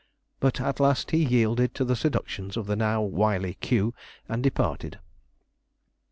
But at last he yielded to the seductions of the now wily Q, and departed.